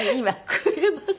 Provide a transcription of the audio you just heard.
くれます。